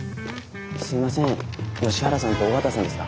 すいません吉原さんと尾形さんですか？